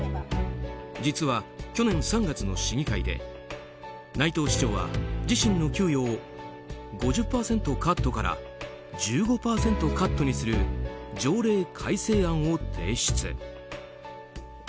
実は去年３月の市議会で内藤市長は自身の給与を５０％カットから１５％カットにする条例改正案を提出。